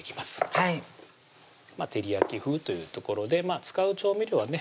はい照り焼き風というところで使う調味料はね